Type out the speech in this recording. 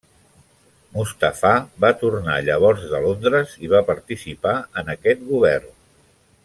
Mustafà va tornar llavors de Londres i va participar en aquest govern.